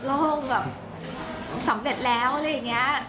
โลกแบบสำเร็จแล้วอะไรอย่างนี้